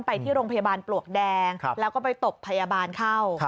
ไปที่โรงพยาบาลปลวกแดงแล้วก็ไปตบพยาบาลเข้า